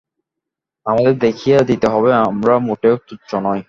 আমাদের দেখিয়ে দিতে হবে আমরা মোটেও তুচ্ছ নই।